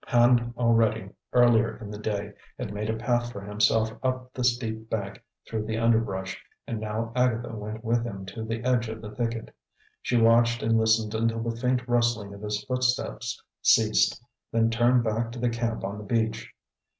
Hand already, earlier in the day, had made a path for himself up the steep bank through the underbrush, and now Agatha went with him to the edge of the thicket. She watched and listened until the faint rustling of his footsteps ceased, then turned back to the camp on the beach.